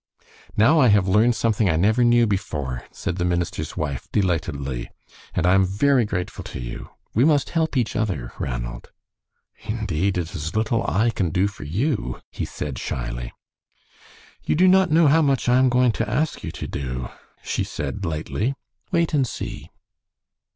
"Now I have learned something I never knew before," said the minister's wife, delightedly, "and I am very grateful to you. We must help each other, Ranald." "Indeed, it is little I can do for you," he said, shyly. "You do not know how much I am going to ask you to do," she said, lightly. "Wait and see."